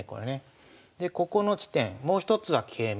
でここの地点もう一つは桂馬。